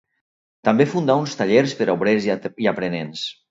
També fundà uns tallers per a obrers i aprenents.